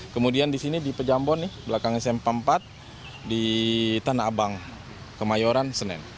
kemudian di sini di pejambon belakang smp empat di tanah abang kemayoran senen